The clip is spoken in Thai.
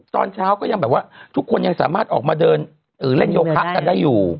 ตอนเช้าก็ยังแบบว่าทุกคนยังสามารถออกมาเดินเล่นโยคะกันได้อยู่